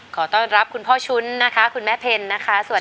ขอต้อนรับคุณพ่อชุ้นนะคะคุณแม่เพ็ญนะคะสวัสดี